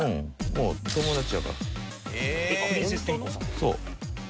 そう。